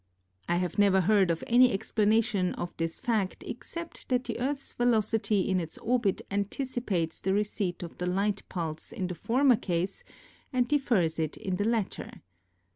I have never heard of any explanation of this fact except that the Earth's velocity in its orbit anticipates the receipt of the light piilse in the former case and defers it in the latter.